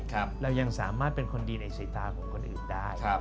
เรายังสามารถเป็นคนดีในสายตาของคนอื่นได้